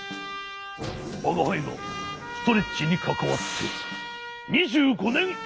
わがはいがストレッチにかかわって２５ねんあまり。